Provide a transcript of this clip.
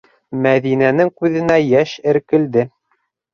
Мәҙинәнең күҙенә йәш эркелде: